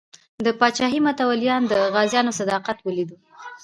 د پاچاهۍ متولیانو د غازیانو صداقت ولیدو.